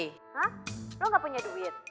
hah lo gak punya duit